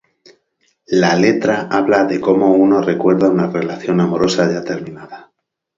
La letra habla de cómo uno recuerda una relación amorosa ya terminada.